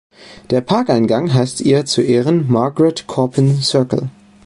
Der Parkeingang heißt ihr zu Ehren „Margaret Corbin Circle“.